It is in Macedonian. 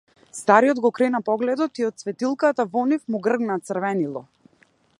Стариот го крена погледот и од светилката во нив му гргна црвенило.